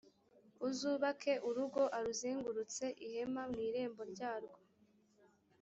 uzubake urugo a ruzengurutse ihema mu irembo ryarwo